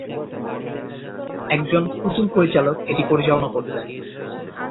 একজন পুতুল পরিচালক এটি পরিচালনা করতেন।